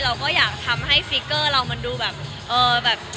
เราก็อยากทำให้ฟิกเกอร์เรามันดูแบบเออแบบ